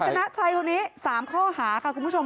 นายจะนะใช่ครุนี้๓ข้อหาค่ะคุณผู้ชม